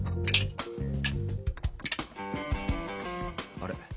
あれ？